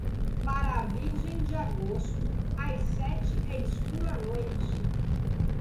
Para a Virgem de agosto, às sete é escuro à noite.